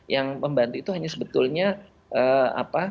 yang membantu itu hanya sebetulnya apa